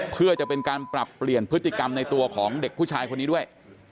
เพื่อจะเป็นการปรับเปลี่ยนพฤติกรรมในตัวของเด็กผู้ชายคนนี้ด้วย